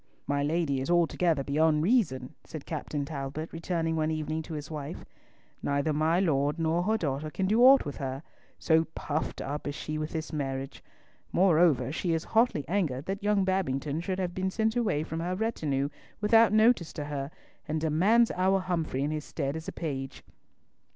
"My Lady is altogether beyond reason," said Captain Talbot, returning one evening to his wife; "neither my Lord nor her daughter can do ought with her; so puffed up is she with this marriage! Moreover, she is hotly angered that young Babington should have been sent away from her retinue without notice to her, and demands our Humfrey in his stead as a page."